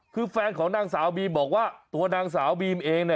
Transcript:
คือแฟนของนางสาวบีมบอกว่าตัวนางสาวบีมเอง